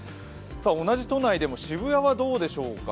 同じ都内でも渋谷はどうでしょうか。